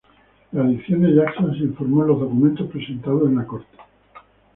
La adicción de Jackson se informó en los documentos presentados en la corte.